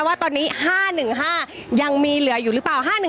ว่าตอนนี้๕๑๕ยังมีเหลืออยู่หรือเปล่า๕๑